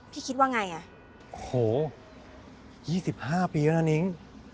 พี่คิดว่าไงอ่ะโหยี่สิบห้าปีแล้วน่ะนิ้ง